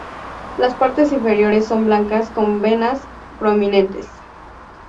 Las partes inferiores son blancas con venas prominentes.